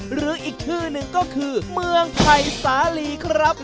หรืออีกชื่อหนึ่งก็คือเมืองไทยสาลีครับ